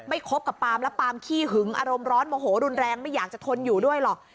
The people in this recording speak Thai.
คบกับปามและปามขี้หึงอารมณ์ร้อนโมโหรุนแรงไม่อยากจะทนอยู่ด้วยหรอก